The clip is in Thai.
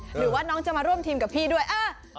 หรือว่าน้องจะมาร่วมทีมกับพี่ด้วย